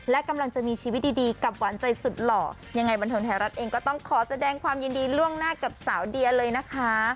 และกำลังจะมีชีวิตดีกับหวานใจสุดหล่อยังไงบันเทิงไทยรัฐเองก็ต้องขอแสดงความยินดีล่วงหน้ากับสาวเดียเลยนะคะ